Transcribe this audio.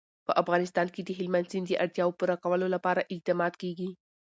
په افغانستان کې د هلمند سیند د اړتیاوو پوره کولو لپاره اقدامات کېږي.